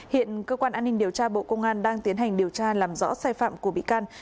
hiện cơ quan an ninh điều tra bộ công an đang tiến hành điều tra làm rõ sai phạm của bị can